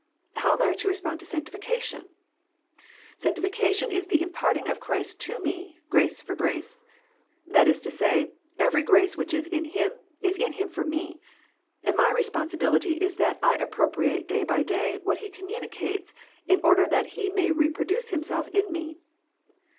How am I to respond to sanctifi cation ? Sanctification is the imparting of Christ to me, grace for grace. That is to say, every grace which is in Him, is in Him for me, and my responsibility is that I appropriate day by day what He communicates in order that He may re produce Himself in me.